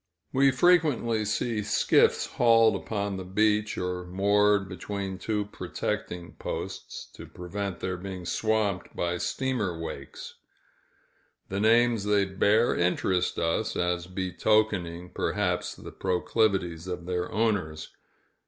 We frequently see skiffs hauled upon the beach, or moored between two protecting posts, to prevent their being swamped by steamer wakes. The names they bear interest us, as betokening, perhaps, the proclivities of their owners.